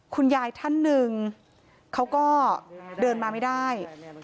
คุณยายท่านหนึ่งเขาก็เดินมาไม่ได้